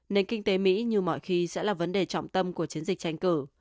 nền kinh tế mỹ như mọi khi sẽ là vấn đề trọng tâm của chiến dịch tranh cử